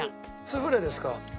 スフレですか？